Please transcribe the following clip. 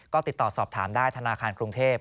ก็ติดต่อสอบถามได้ธนาคารกรุงเทพ